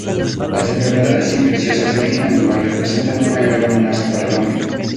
Las enfermedades infecciosas de origen animal representan una grave amenaza para el hombre.